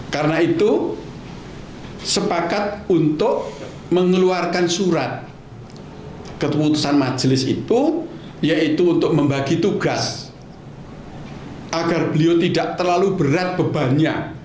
karena itu sepakat untuk mengeluarkan surat keputusan majelis itu yaitu untuk membagi tugas agar beliau tidak terlalu berat bebannya